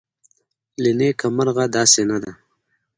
له نیکه مرغه داسې نه ده